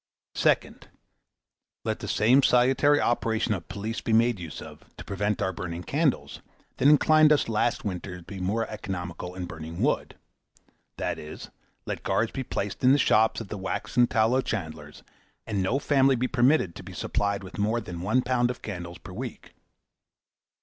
Second. Let the same salutary operation of police be made use of, to prevent our burning candles, that inclined us last winter to be more economical in burning wood; that is, let guards be placed in the shops of the wax and tallow chandlers, and no family be permitted to be supplied with more than one pound of candles per week.